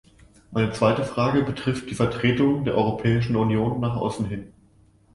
Meine zweite Frage betrifft die Vertretung der Europäischen Union nach außen hin.